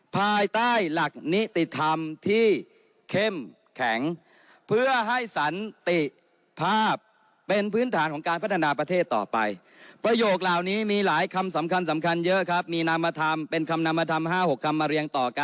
ภายใต้หลักนิติธรรมที่เข้มแข็งเพื่อให้สันติภาพเป็นพื้นฐานของการพัฒนาประเทศต่อไป